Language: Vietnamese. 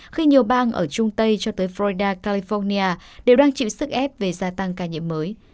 khi nhiều bang ở trung tây cho tới florida california đều đang chịu sức ép về gia tăng ca nhiễm mới